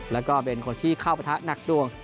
แล้วก็เป็นคนที่เข้าประทะหนักดวง